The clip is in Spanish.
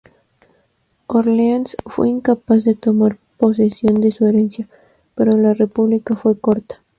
Orleans fue incapaz de tomar posesión de su herencia, pero la República fue corta.